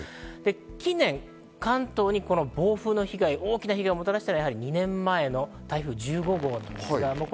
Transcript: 近年関東にこの暴風の被害、大きな被害をもたらしたのは２年前の台風１５号です。